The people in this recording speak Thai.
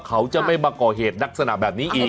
เขาจะไม่มาก่อเหตุลักษณะแบบนี้อีก